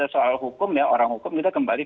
soal hukum ya orang hukum kita kembali